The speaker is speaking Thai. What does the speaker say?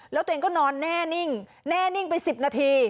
แล้วตัวเองก็นอนแน่นิ่งแน่นิ่งไป๑๐นาที